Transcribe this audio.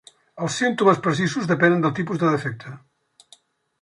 Els símptomes precisos depenen del tipus de defecte.